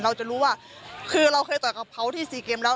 เราจะรู้ว่าคือเราเคยต่อยกับเขาที่๔เกมแล้ว